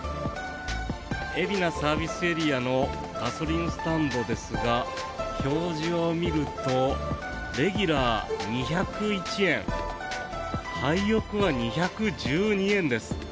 海老名ＳＡのガソリンスタンドですが表示を見るとレギュラー２０１円ハイオクが２１２円です。